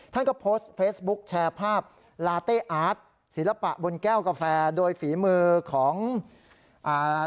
ท่านก็โพสต์เฟซบุ๊คแชร์ภาพลาเต้อาร์ตศิลปะบนแก้วกาแฟโดยฝีมือของอ่า